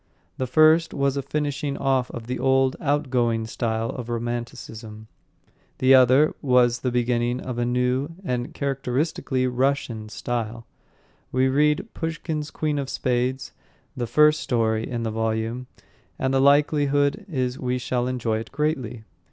The first was a finishing off of the old, outgoing style of romanticism, the other was the beginning of the new, the characteristically Russian style. We read Pushkin's Queen of Spades, the first story in the volume, and the likelihood is we shall enjoy it greatly.